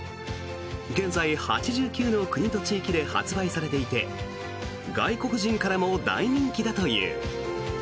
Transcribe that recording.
現在、８９の国と地域で発売されていて外国人からも大人気だという。